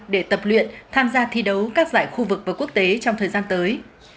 để tập luyện tham gia thi đấu các giải khu vực và quốc tế trong thời gian tới